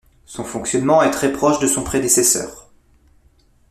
Son fonctionnement est très proche de son prédécesseur.